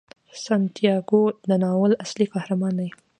سانتیاګو د ناول اصلي قهرمان دی.